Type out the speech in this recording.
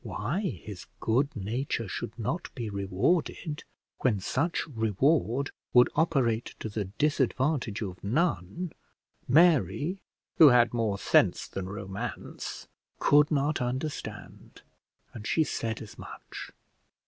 Why his good nature should not be rewarded, when such reward would operate to the disadvantage of none, Mary, who had more sense than romance, could not understand; and she said as much.